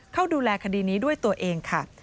เข้าดูแลคดีนี้ด้วยตัวเองค่ะ